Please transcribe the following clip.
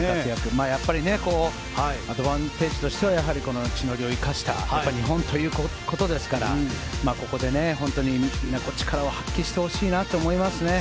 やっぱりアドバンテージとしてはこの地の利を生かした日本ということですからここで本当に力を発揮してほしいと思いますね。